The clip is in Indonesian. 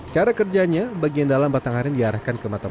cara kerjanya bagian dalam batang aren diarahkan ke batang